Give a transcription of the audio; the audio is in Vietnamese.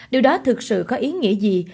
điều đó thực sự có ý nghĩa gì